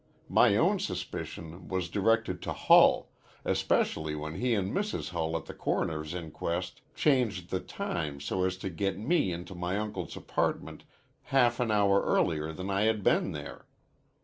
My own suspicion was directed to Hull, especially when he an' Mrs. Hull at the coroner's inquest changed the time so as to get me into my uncle's apartment half an hour earlier than I had been there.